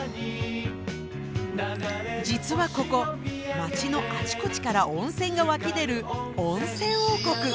実はここ町のあちこちから温泉が湧き出る温泉王国。